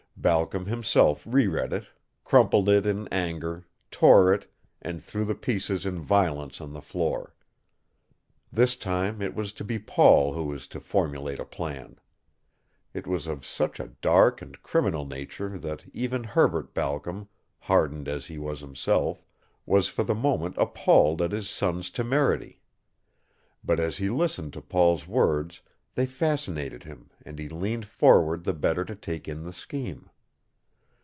Balcom himself reread it, crumpled it in anger, tore it, and threw the pieces in violence on the floor. This time it was to be Paul who was to formulate a plan. It was of such a dark and criminal nature that even Herbert Balcom, hardened as he was himself, was for the moment appalled at his son's temerity. But as he listened to Paul's words they fascinated him and he leaned forward the better to take in the scheme.